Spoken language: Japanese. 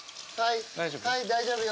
はい、大丈夫よ。